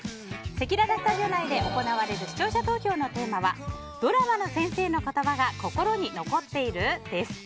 せきららスタジオ内で行われる視聴者投票のテーマはドラマの先生の言葉が心に残っている？です。